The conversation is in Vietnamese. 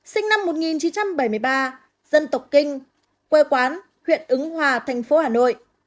sinh năm một nghìn chín trăm bảy mươi ba dân tộc kinh quê quán huyện ứng hòa thành phố hà nội